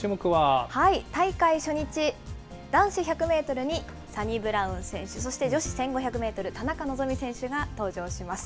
大会初日、男子１００メートルにサニブラウン選手、そして女子１５００メートル、田中希実選手が登場します。